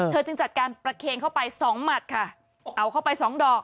จึงจัดการประเคนเข้าไปสองหมัดค่ะเอาเข้าไปสองดอก